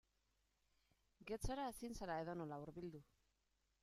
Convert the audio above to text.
Getxora ezin zara edonola hurbildu.